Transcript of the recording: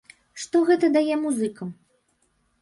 Што гэта дае музыкам?